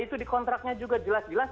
itu di kontraknya juga jelas jelas